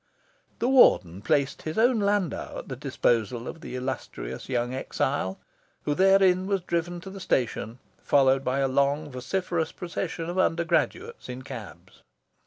The Warden placed his own landau at the disposal of the illustrious young exile, who therein was driven to the station, followed by a long, vociferous procession of undergraduates in cabs.